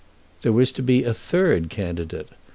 There was to be a third candidate.